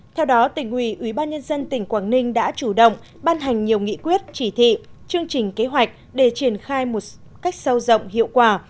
theo đó tỉnh ủy ủy ban nhân dân tỉnh quảng ninh đã chủ động ban hành nhiều nghị quyết chỉ thị chương trình kế hoạch để triển khai một cách sâu rộng hiệu quả